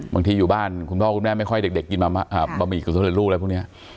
บางทีอยู่บ้านคุณพ่อคุณแม่ไม่ค่อยเด็กกินบะหมี่สำเร็จรูปแล้วพรุ่งนี้